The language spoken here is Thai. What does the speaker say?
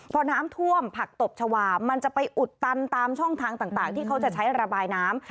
พอน้ำท่วมผักตบชาวามันจะไปอุดตันตามช่องทางต่างที่เขาจะใช้ระบายน้ำ